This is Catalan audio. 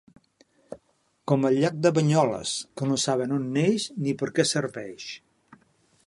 Com el llac de Banyoles, que no saben on neix ni per què serveix.